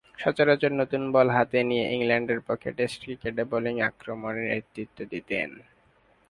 সচরাচর নতুন বল হাতে নিয়ে ইংল্যান্ডের পক্ষে টেস্ট ক্রিকেটে বোলিং আক্রমণে নেতৃত্ব দিতেন।